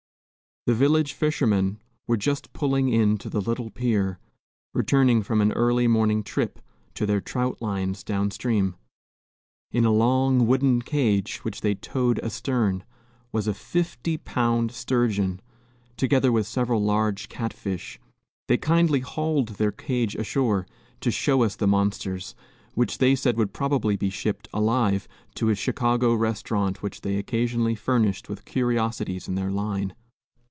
The village fishermen were just pulling in to the little pier, returning from an early morning trip to their "traut lines" down stream. In a long wooden cage, which they towed astern, was a fifty pound sturgeon, together with several large cat fish. They kindly hauled their cage ashore, to show us the monsters, which they said would probably be shipped, alive, to a Chicago restaurant which they occasionally furnished with curiosities in their line.